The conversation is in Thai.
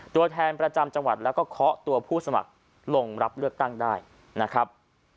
ตัวแทนประจำจังหวัดแล้วก็เคาะตัวผู้สมัครลงรับเลือกตั้งได้นะครับ